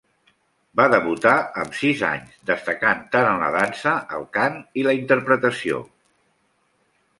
Va debutar amb sis anys, destacant tant en la dansa, el cant i la interpretació.